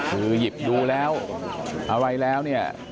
คือหยิบดูแล้วอะไรแล้วเนี่ย